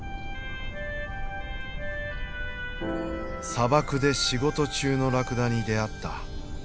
砂漠で仕事中のラクダに出会った。